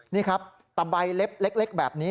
นี่ครับตะใบเล็บเล็กแบบนี้